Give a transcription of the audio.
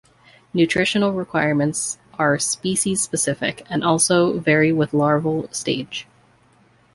Nutritional requirements are species specific and also vary with larval stage.